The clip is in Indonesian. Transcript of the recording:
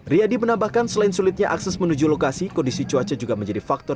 riyadi menambahkan selain sulitnya akses menuju lokasi kondisi cuaca juga menjadi faktor